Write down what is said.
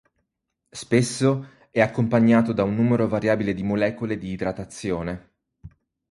Spesso è accompagnato da un numero variabile di molecole di idratazione.